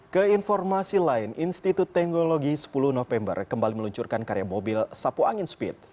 ke informasi lain institut teknologi sepuluh november kembali meluncurkan karya mobil sapu angin speed